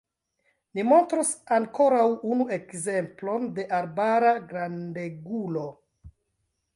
Ni montros ankoraŭ unu ekzemplon de arbara grandegulo.